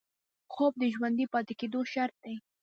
خوب د ژوندي پاتې کېدو شرط دی